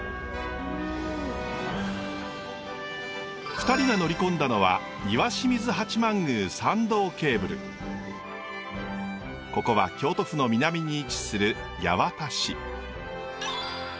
２人が乗り込んだのはここは京都府の南に位置する八幡市。